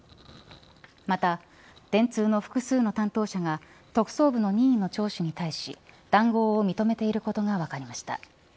また電通の複数の担当者が特捜部の任意の聴取に対し談合を認めていることが分かりました。